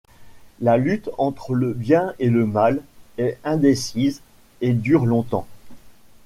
La lutte entre le Bien et le Mal est indécise et dure longtemps.